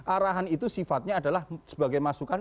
arahan itu sifatnya adalah sebagai masukan